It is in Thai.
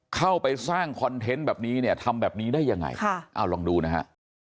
เข้าไปสร้างคอนเทนต์แบบนี้เนี่ยทำแบบนี้ได้ยังไงเอาลองดูนะฮะ